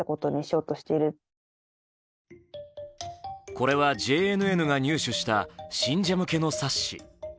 これはＪＮＮが入手した信者向けの冊子。